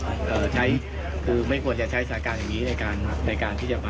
คือไม่ควรจะใช้สถานการณ์อย่างนี้ในการที่จะมาหาผู้โยค